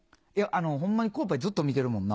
ホンマにコウパイずっと見てるもんな。